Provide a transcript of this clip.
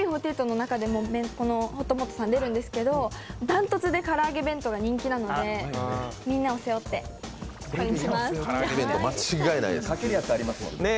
ＡＫＢ４８の中でもほっともっとさん出るんですけど断トツでから揚弁当が人気なのでみんなを背負ってこれにします。